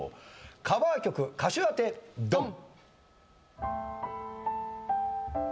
カバー曲歌手当てドン！